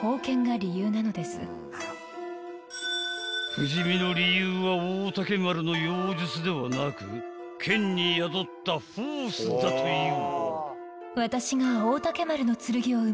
［不死身の理由は大嶽丸の妖術ではなく剣に宿ったフォースだという］